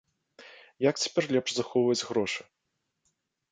Як цяпер лепш захоўваць грошы?